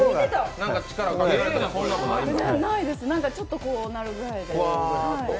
何もないです、ちょっとこうなるぐらいで。